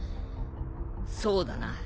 そうだな。